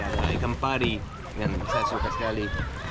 ada ikan pari yang saya suka sekali